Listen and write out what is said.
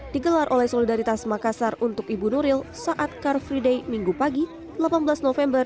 digelar oleh solidaritas makassar untuk ibu nuril saat car free day minggu pagi delapan belas november